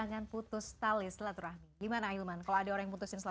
nanti bahasnya nanti ya